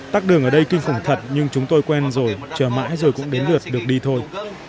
tắc đường ở đây kinh khủng thật nhưng chúng tôi quen rồi chờ mãi rồi cũng đến lượt được đi thôi